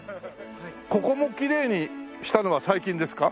ここもきれいにしたのは最近ですか？